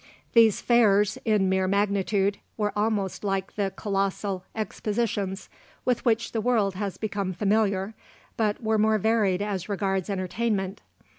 These fairs, in mere magnitude, were almost like the colossal Expositions with which the world has become familiar, but were more varied as regards entertainment.